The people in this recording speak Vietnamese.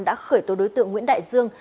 đã khởi tố đối tượng nguyễn đại dương